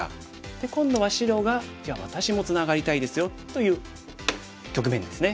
で今度は白が「じゃあ私もツナがりたいですよ」という局面ですね。